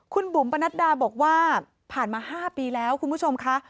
คุณบุ๋มปนัดดาบอกว่าผ่านมา๕ปีแล้วคุณผู้ชมค่ะ